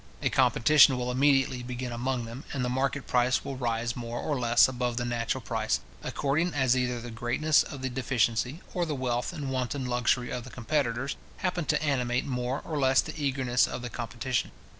A competition will immediately begin among them, and the market price will rise more or less above the natural price, according as either the greatness of the deficiency, or the wealth and wanton luxury of the competitors, happen to animate more or less the eagerness of the competition.